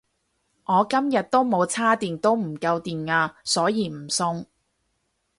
我今日都冇叉電都唔夠電呀所以唔送